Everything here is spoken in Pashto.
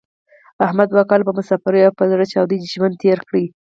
احمد دوه کاله په مسافرۍ کې په زړه چاودې ژوند تېر کړ.